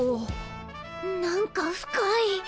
なんか深い。